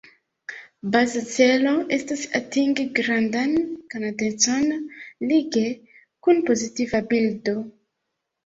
Baza celo estas atingi grandan konatecon lige kun pozitiva bildo.